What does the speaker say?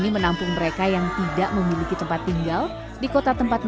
betul mereka datang dari hati